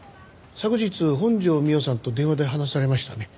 昨日本条美緒さんと電話で話されましたね。